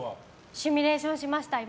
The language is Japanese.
シミュレーションしました、今。